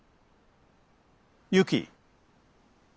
ユキ。